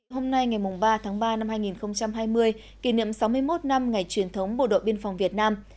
hôm nay ngày ba tháng ba năm hai nghìn hai mươi kỷ niệm sáu mươi một năm ngày truyền thống bộ đội biên phòng việt nam